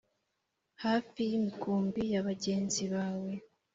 Hafi y’imikumbi ya bagenzi bawe